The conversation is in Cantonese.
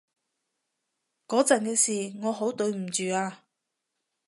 嗰陣嘅事，我好對唔住啊